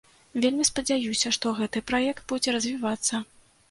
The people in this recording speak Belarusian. Вельмі спадзяюся, што гэты праект будзе развівацца.